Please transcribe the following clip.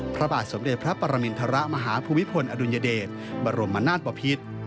พระบาทสมเด็จพระปรมินทรมาฮภูมิพลอดุลยเดชบรมนาศปภิษ